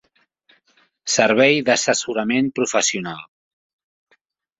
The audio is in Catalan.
Servei d'assessorament professional